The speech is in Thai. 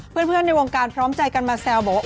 เพื่อนในวงการพร้อมใจกันมาแซวบอกว่า